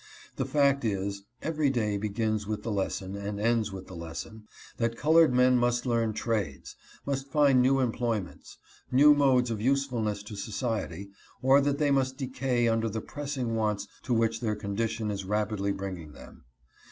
The fact is (every day begins with the lesson, and ends with the lesson) that colored men must learn trades ; must find new employments ; new modes of usefulness to society, or that they must decay under the pressing wants to which their condition is rapidly bringing them.